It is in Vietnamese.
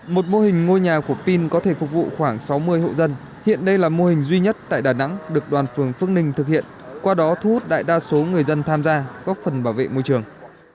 một mô hình ngôi nhà của pin có thể phục vụ khoảng sáu mươi hộ dân hiện đây là mô hình duy nhất tại đà nẵng được đoàn phường phước ninh thực hiện qua đó thu hút đại đa số người dân tham gia góp phần bảo vệ môi trường